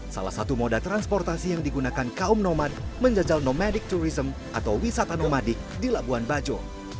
salah satu moda transportasi yang digunakan kaum nomad menjajal nomadik tourism atau wisata nomadik di labuan bajo